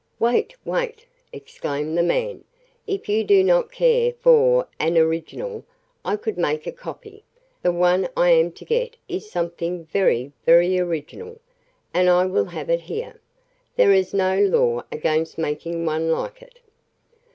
"Wait, wait!" exclaimed the man. "If you do not care for an original I could make a copy. The one I am to get is something very, very original, and I will have it here. There is no law against making one like it."